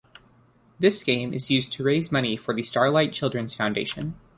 This game is used to raise money for the Starlight Children's Foundation.